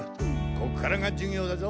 ここからが授業だぞ。